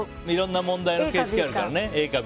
いろんな問題の形式あるから。